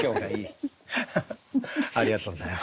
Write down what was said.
ありがとうございます。